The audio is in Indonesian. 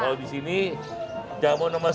kalau di sini jamu nomor sepuluh a